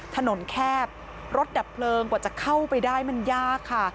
แคบรถดับเพลิงกว่าจะเข้าไปได้มันยากค่ะ